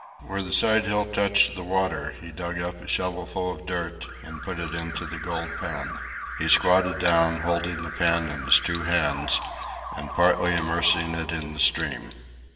Where the side hill touched the water he dug up a shovelful of dirt and put it into the gold pan. He squatted down, holding the pan in his two hands, and partly immersing it in the stream.